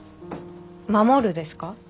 「守る」ですか？